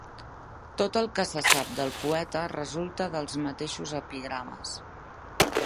Tot el que se sap del poeta resulta dels mateixos epigrames.